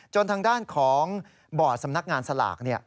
จนทางด้านของบ่อสำนักงานสลาก